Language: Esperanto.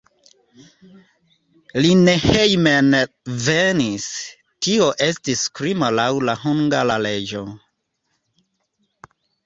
Li ne hejmenvenis, tio estis krimo laŭ la hungara leĝo.